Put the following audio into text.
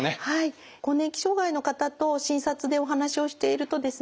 更年期障害の方と診察でお話をしているとですね